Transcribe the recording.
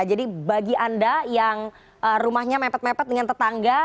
jadi bagi anda yang rumahnya mepet mepet dengan tetangga